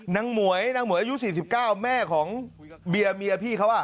หมวยนางหมวยอายุ๔๙แม่ของเบียร์เมียพี่เขา